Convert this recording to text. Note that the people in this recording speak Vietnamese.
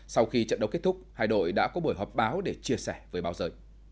sau khi trận đấu kết thúc hai đội đã có buổi họp báo để chia sẻ với bao giờ